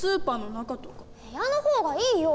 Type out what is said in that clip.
部屋の方がいいよ！